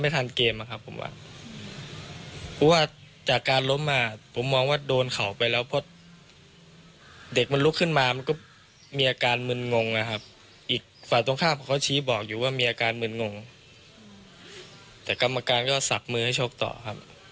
แต่กรรมการก็สักมือให้ชกต่อครับ